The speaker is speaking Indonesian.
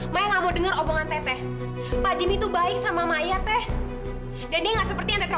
maya nggak mau denger obongan teteh pak jimmy itu baik sama maya teh dan dia nggak seperti yang teteh